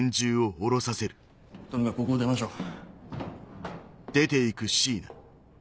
とにかくここを出ましょう。